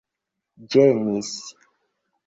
ĝenis